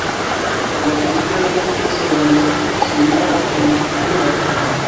La festivalo estas organizita ĉiujare en alia lando.